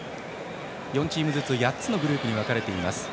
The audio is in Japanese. ４チームずつ８つのグループに分かれています。